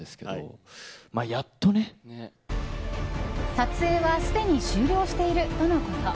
撮影はすでに終了しているとのこと。